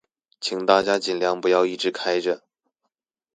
請大家盡量不要一直開著